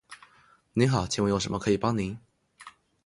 您好，请问有什么可以帮您？